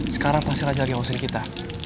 sekarang pastilah jalan yang ngawasin kita